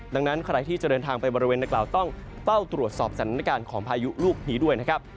ดังนั้นใครที่จะเดินทางไปบริเวณนักกล่าวต้องเฝ้าตรวจสอบสถานการณ์ของพายุลูกนี้ด้วยนะครับ